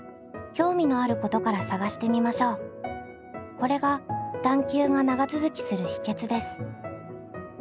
これが探究が長続きする秘けつです。